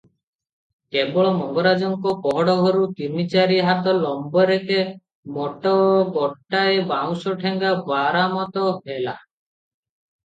କେବଳ ମଙ୍ଗରାଜଙ୍କ ପହଡ଼ଘରୁ ତିନି ଚାରି ହାତ ଲମ୍ବରେକେ ମୋଟ ଗୋଟାଏ ବାଉଁଶ ଠେଙ୍ଗା ବରାମଦ ହେଲା ।